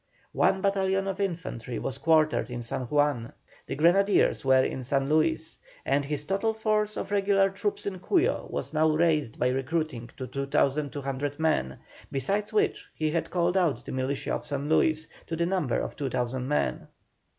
One battalion of infantry was quartered in San Juan, the grenadiers were in San Luis, and his total force of regular troops in Cuyo was now raised by recruiting to 2,200 men, besides which he had called out the militia of San Luis to the number of 2,000 men.